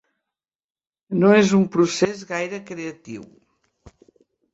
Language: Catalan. No és un procés gaire creatiu.